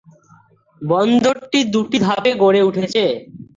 বন্দরটি দুটি ধাপে গড়ে উঠেছে।